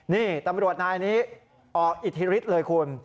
นี่ตำรวจนายนี้ออกอิทธิฤทธิ์เลยคุณ